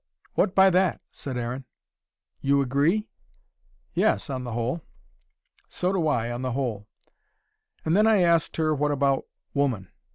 "What by that?" said Aaron. "You agree?" "Yes, on the whole." "So do I on the whole. And then I asked her what about woman.